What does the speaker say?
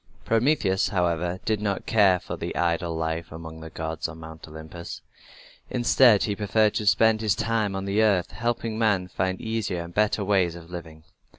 Prometheus, however, did not care for idle life among the gods on Mount Olympus. Instead he preferred to spend his time on the earth, helping men to find easier and better ways of living.